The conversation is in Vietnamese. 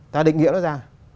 ta định nghĩa nó ra